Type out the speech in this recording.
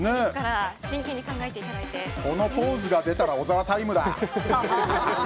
このポーズが出たら小沢タイムだ！